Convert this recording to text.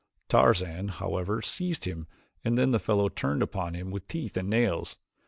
Tarzan, however, seized him and then the fellow turned upon him with teeth and nails.